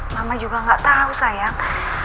mama juga gak tau sayang